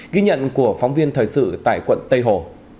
ghi nhận của phóng viên thời sự tại quận tây hồ